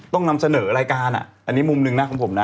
ต้องนำเสนอรายการอันนี้มุมหนึ่งนะของผมนะ